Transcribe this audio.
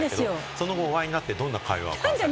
その後、お会いになってどんな会話を？